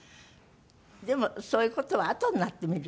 でもそういう事はあとになってみると。